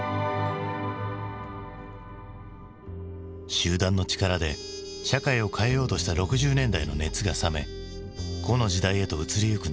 集団の力で社会を変えようとした６０年代の熱が冷め「個」の時代へと移りゆく